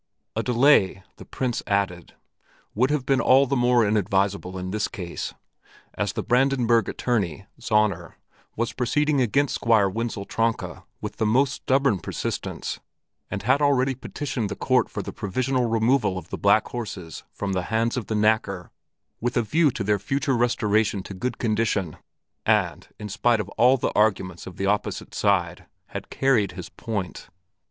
A delay, the Prince added, would have been all the more inadvisable in this case, as the Brandenburg attorney, Zäuner, was proceeding against Squire Wenzel Tronka with the most stubborn persistence and had already petitioned the court for the provisional removal of the black horses from the hands of the knacker with a view to their future restoration to good condition, and, in spite of all the arguments of the opposite side, had carried his point.